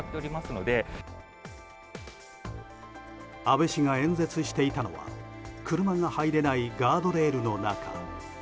安倍氏が演説していたのは車が入れないガードレールの中。